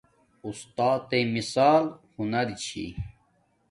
اُستاتݵ مثال ہنر چھی